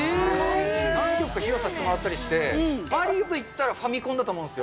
何曲か衣装を着させてもらったりして、マリオといったらファミコンだと思うんですよ。